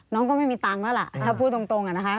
น้องก็ไม่มีตังค์แล้วล่ะถ้าพูดตรงอะนะคะ